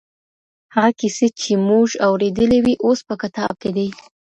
هغه کيسې چي موږ اورېدلې وې اوس په کتاب کي دي.